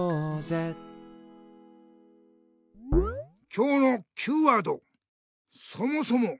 今日のＱワード「そもそも？」。